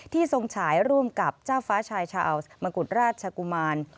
ที่ทรงขายร่วมกับเจ้าฟ้าชายเชาส์มะกุฤตรราชชกุมาน